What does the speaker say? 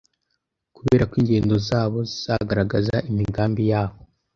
Kubera ko ingendo zabo zizagaragaza imigambi yabo